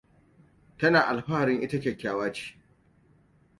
Tana alfaharin ita kyakkyawa ce.